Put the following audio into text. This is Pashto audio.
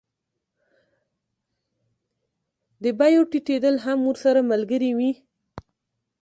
د بیو ټیټېدل هم ورسره ملګري وي